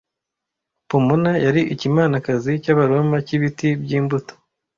Pomona yari Ikimanakazi cy'Abaroma cy'ibiti by'imbuto